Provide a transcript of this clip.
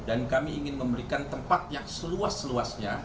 dan kami ingin memberikan tempat yang seluas seluasnya